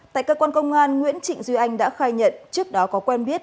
tại cơ quan công an nguyễn trịnh duy anh đã khai nhận trước đó có quen biết